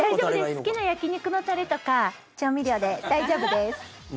好きな焼き肉のタレとか調味料で大丈夫です。